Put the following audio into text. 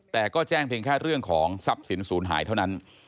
แต่ก็แจ้งเพียงแค่เรื่องของทรัพย์สินศูนย์หายเท่านั้น